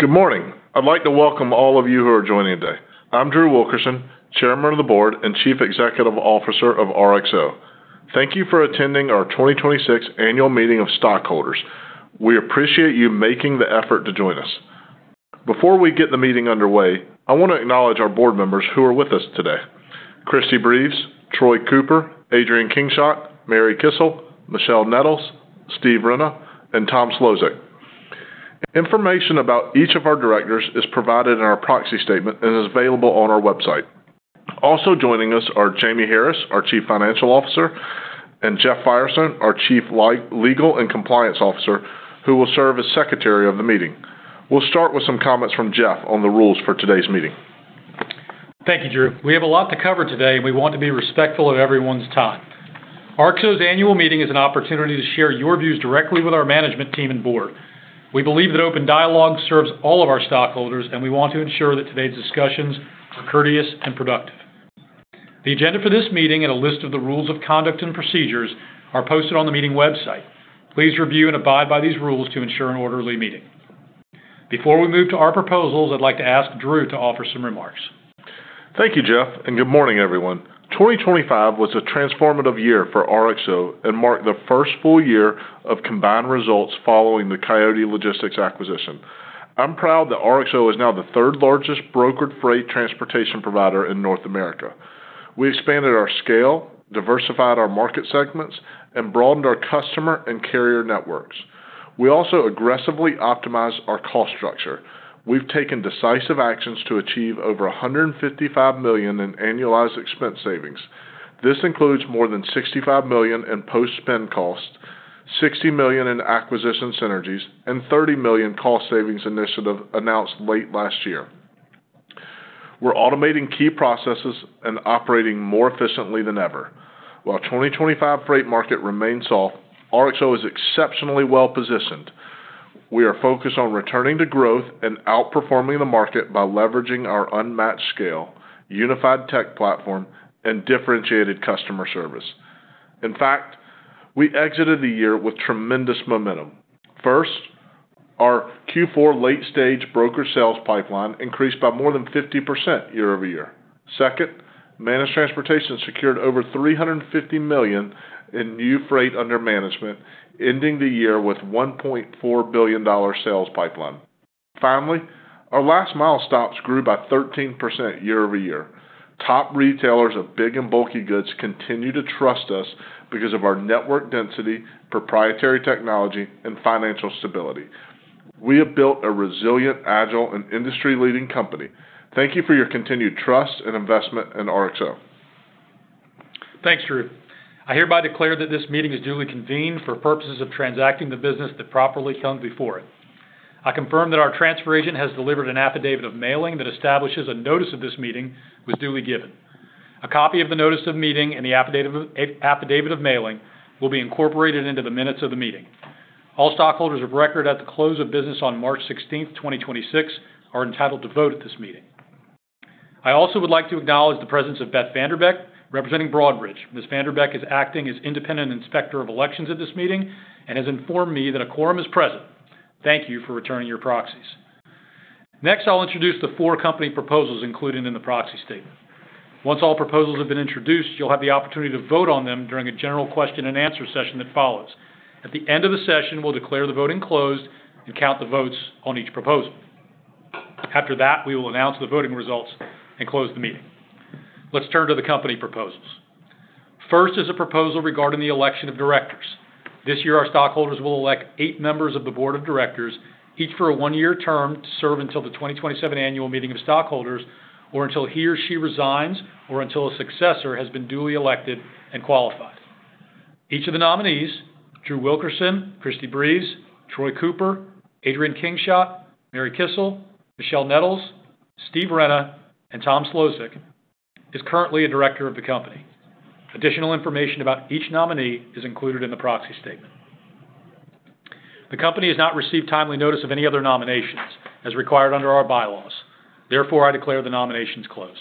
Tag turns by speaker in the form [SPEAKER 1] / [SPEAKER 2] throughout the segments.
[SPEAKER 1] Good morning. I'd like to welcome all of you who are joining today. I'm Drew Wilkerson, Chairman of the Board and Chief Executive Officer of RXO. Thank you for attending our 2026 annual meeting of stockholders. We appreciate you making the effort to join us. Before we get the meeting underway, I wanna acknowledge our board members who are with us today, Christie Breves, Troy Cooper, Adrian Kingshott, Mary Kissel, Michelle Nettles, Steve Renna, and Tom Szlosek. Information about each of our directors is provided in our proxy statement and is available on our website. Also joining us are Jamie Harris, our Chief Financial Officer, and Jeff Firestone, our Chief Legal and Compliance Officer, who will serve as secretary of the meeting. We'll start with some comments from Jeff on the rules for today's meeting.
[SPEAKER 2] Thank you, Drew. We have a lot to cover today, and we want to be respectful of everyone's time. RXO's annual meeting is an opportunity to share your views directly with our management team and board. We believe that open dialogue serves all of our stockholders, and we want to ensure that today's discussions are courteous and productive. The agenda for this meeting and a list of the rules of conduct and procedures are posted on the meeting website. Please review and abide by these rules to ensure an orderly meeting. Before we move to our proposals, I'd like to ask Drew to offer some remarks.
[SPEAKER 1] Thank you, Jeff, and good morning, everyone. Twenty twenty-five was a transformative year for RXO and marked the first full year of combined results following the Coyote Logistics acquisition. I'm proud that RXO is now the third-largest brokered freight transportation provider in North America. We expanded our scale, diversified our market segments, and broadened our customer and carrier networks. We also aggressively optimized our cost structure. We've taken decisive actions to achieve over $155 million in annualized expense savings. This includes more than $65 million in post-spin costs, $60 million in acquisition synergies, and $30 million cost savings initiative announced late last year. We're automating key processes and operating more efficiently than ever. While 2025 freight market remains soft, RXO is exceptionally well positioned. We are focused on returning to growth and outperforming the market by leveraging our unmatched scale, unified tech platform, and differentiated customer service. In fact, we exited the year with tremendous momentum. First, our Q4 late-stage broker sales pipeline increased by more than 50% year-over-year. Second, Managed Transportation secured over $350 million in new freight under management, ending the year with $1.4 billion sales pipeline. Finally, our Last Mile stops grew by 13% year-over-year. Top retailers of big and bulky goods continue to trust us because of our network density, proprietary technology, and financial stability. We have built a resilient, agile, and industry-leading company. Thank you for your continued trust and investment in RXO.
[SPEAKER 2] Thanks, Drew. I hereby declare that this meeting is duly convened for purposes of transacting the business that properly come before it. I confirm that our transfer agent has delivered an affidavit of mailing that establishes a notice of this meeting was duly given. A copy of the notice of meeting and the affidavit of mailing will be incorporated into the minutes of the meeting. All stockholders of record at the close of business on March 16th, 2026 are entitled to vote at this meeting. I also would like to acknowledge the presence of Beth VanDerBeck, representing Broadridge. Ms. VanDerBeck is acting as independent inspector of elections at this meeting and has informed me that a quorum is present. Thank you for returning your proxies. Next, I'll introduce the four company proposals included in the proxy statement. Once all proposals have been introduced, you'll have the opportunity to vote on them during a general question and answer session that follows. At the end of the session, we'll declare the voting closed and count the votes on each proposal. After that, we will announce the voting results and close the meeting. Let's turn to the Company proposals. First is a proposal regarding the election of directors. This year, our stockholders will elect eight members of the Board of Directors, each for a one-year term to serve until the 2027 annual meeting of stockholders, or until he or she resigns, or until a successor has been duly elected and qualified. Each of the nominees, Drew Wilkerson, Christie Breves, Troy Cooper, Adrian Kingshott, Mary Kissel, Michelle Nettles, Steve Renna, and Tom Szlosek, is currently a Director of the Company. Additional information about each nominee is included in the proxy statement. The Company has not received timely notice of any other nominations as required under our bylaws. Therefore, I declare the nominations closed.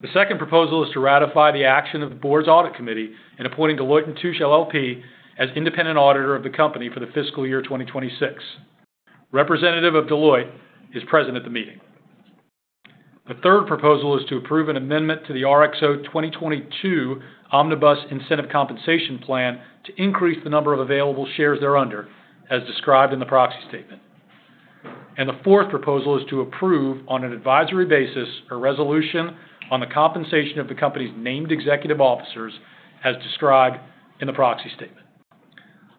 [SPEAKER 2] The second proposal is to ratify the action of the Board's Audit Committee in appointing Deloitte & Touche LLP as independent auditor of the Company for the fiscal year 2026. Representative of Deloitte is present at the meeting. The third proposal is to approve an amendment to the RXO 2022 Omnibus Incentive Compensation Plan to increase the number of available shares thereunder, as described in the proxy statement. The fourth proposal is to approve, on an advisory basis, a resolution on the compensation of the Company's named executive officers, as described in the proxy statement.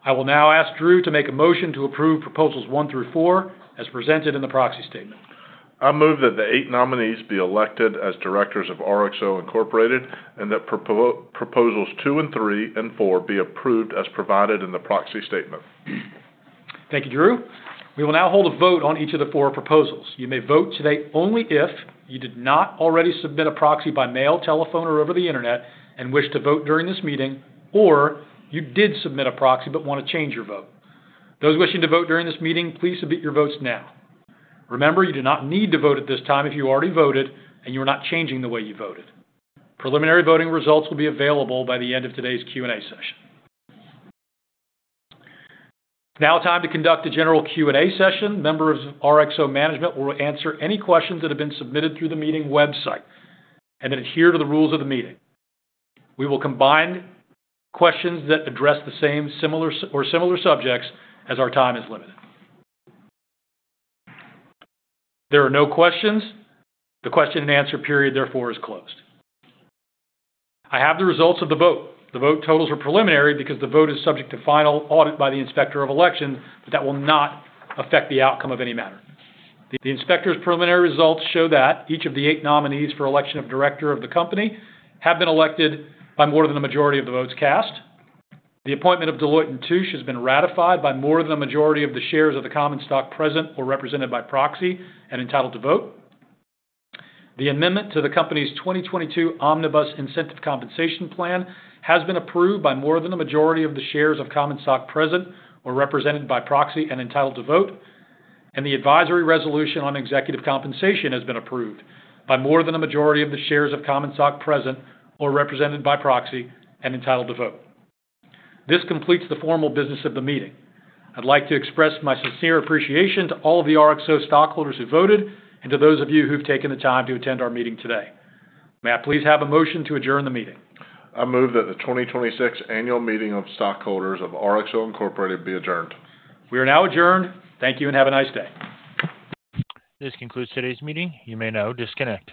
[SPEAKER 2] I will now ask Drew to make a motion to approve proposals one through four as presented in the proxy statement.
[SPEAKER 1] I move that the eight nominees be elected as directors of RXO Incorporated, and that proposals two and three and four be approved as provided in the proxy statement.
[SPEAKER 2] Thank you, Drew. We will now hold a vote on each of the four proposals. You may vote today only if you did not already submit a proxy by mail, telephone, or over the internet and wish to vote during this meeting, or you did submit a proxy but want to change your vote. Those wishing to vote during this meeting, please submit your votes now. Remember, you do not need to vote at this time if you already voted and you are not changing the way you voted. Preliminary voting results will be available by the end of today's Q&A session. Now time to conduct a general Q&A session. Members of RXO management will answer any questions that have been submitted through the meeting website and that adhere to the rules of the meeting. We will combine questions that address the same similar, or similar subjects as our time is limited. There are no questions. The question-and-answer period, therefore, is closed. I have the results of the vote. The vote totals are preliminary because the vote is subject to final audit by the Inspector of Election, but that will not affect the outcome of any matter. The Inspector's preliminary results show that each of the eight nominees for election of Director of the Company have been elected by more than the majority of the votes cast. The appointment of Deloitte & Touche has been ratified by more than the majority of the shares of the common stock present or represented by proxy and entitled to vote. The amendment to the Company's 2022 Omnibus Incentive Compensation Plan has been approved by more than the majority of the shares of common stock present or represented by proxy and entitled to vote. The advisory resolution on executive compensation has been approved by more than the majority of the shares of common stock present or represented by proxy and entitled to vote. This completes the formal business of the meeting. I'd like to express my sincere appreciation to all of the RXO stockholders who voted and to those of you who've taken the time to attend our meeting today. May I please have a motion to adjourn the meeting?
[SPEAKER 1] I move that the 2026 annual meeting of stockholders of RXO Incorporated be adjourned.
[SPEAKER 2] We are now adjourned. Thank you and have a nice day.
[SPEAKER 3] This concludes today's meeting. You may now disconnect.